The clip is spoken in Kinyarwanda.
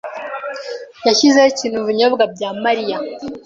yashyize ikintu mubinyobwa bya Mariya.